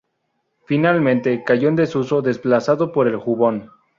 Finalmente, cayó en desuso desplazado por el jubón.